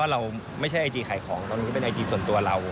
เราไม่ใช่ไอจีขายของตรงนี้เป็นไอจีส่วนตัวเรา